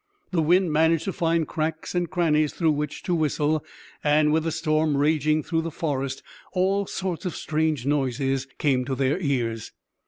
The wind managed to find cracks and crannies through which to whistle, and with the storm raging through the forest all sorts of strange noises came to their ears.